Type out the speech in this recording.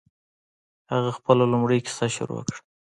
هغه خپله لومړۍ کیسه شروع کړه.